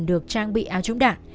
được trang bị áo trúng đạn